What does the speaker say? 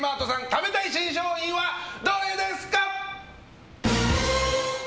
食べたい新商品はどれですか！